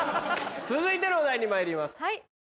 続いてのお題にまいります。